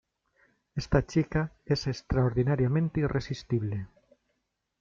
Esta chica es extraordinariamente irresistible.